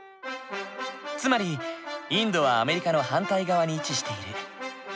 つまりインドはアメリカの反対側に位置している。